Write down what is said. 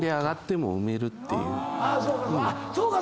そうか！